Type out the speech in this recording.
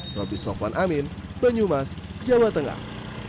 idp sokvan amin benyumas jawa tengah